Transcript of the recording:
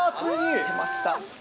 出ました